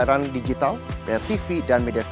yang di rumah suami sama anak